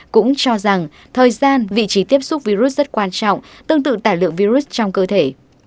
cũng cho rằng thời gian vị trí tiếp xúc virus rất quan trọng tương tự tải lượng virus trong cơ thể